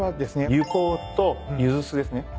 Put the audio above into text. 柚香とゆず酢ですね。